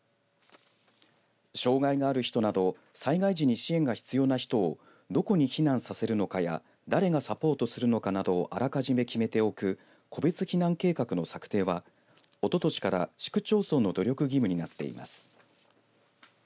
障害のある人など災害時に支援が必要な人をどこに避難させるのかや誰がサポートするのかなどをあらかじめ決めておく個別避難計画の策定はおととしから市区町村の努力義務になっています。